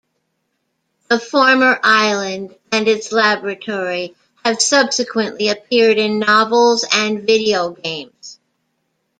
The former island and its laboratory have subsequently appeared in novels and video games.